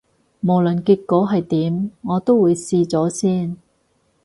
無論結果係點，我都會試咗先